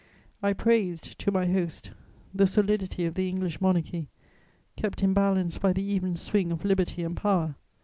I praised to my host the solidity of the English Monarchy, kept in balance by the even swing of liberty and power.